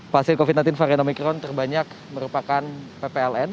pasien covid sembilan belas varian omikron terbanyak merupakan ppln